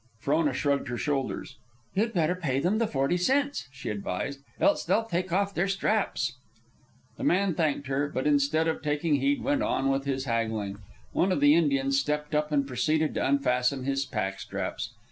Frona shrugged her shoulders. "You'd better pay them the forty cents," she advised, "else they will take off their straps." The man thanked her, but instead of taking heed went on with his haggling. One of the Indians stepped up and proceeded to unfasten his pack straps.